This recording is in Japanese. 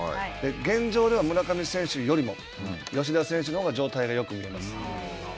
現状では村上選手よりも吉田選手のほうが状態がよく見えます。